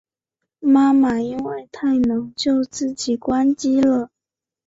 妈妈因为太冷就自己关机了